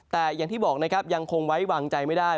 แต่อย่างที่บอกนะครับยังคงไว้วางใจไม่ได้